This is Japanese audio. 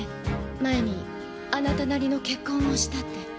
前にあなたなりの結婚をしたって。